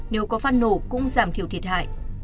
nếu có phát nổ cũng giảm thiểu thiệt hại